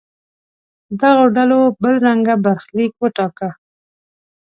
دغو ډلو بل رنګه برخلیک وټاکه.